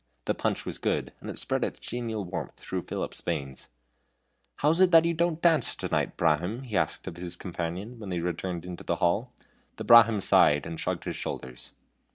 The punch was good, and it spread its genial warmth through Philip's veins. "How is it you don't dance tonight, Brahmin?" he asked of his companion, when they returned into the hall. The Brahmin sighed, and shrugged his shoulders.